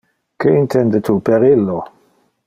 Que intende tu per illo?